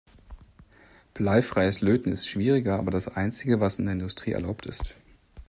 Bleifreies Löten ist schwieriger, aber das einzige, was in der Industrie erlaubt ist.